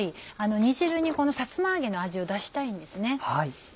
煮汁にさつま揚げの味を出したいんですね。